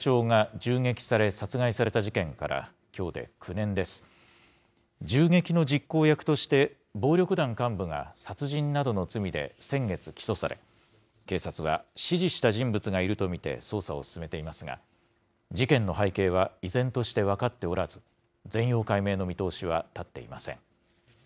銃撃の実行役として暴力団幹部が殺人などの罪で先月、起訴され、警察は指示した人物がいると見て捜査を進めていますが、事件の背景は依然として分かっておらず、全容解明の見通しは立っていません。